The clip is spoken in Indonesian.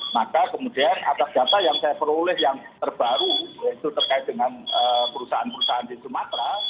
maka kemudian atas data yang saya peroleh yang terbaru yaitu terkait dengan perusahaan perusahaan di sumatera